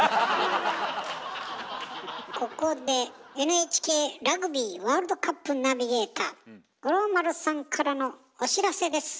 ここでＮＨＫラグビーワールドカップナビゲーター五郎丸さんからのお知らせです。